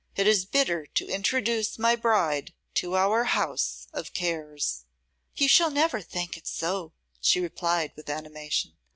It is bitter to introduce my bride to our house of cares.' 'You shall never think it so,' she replied with animation.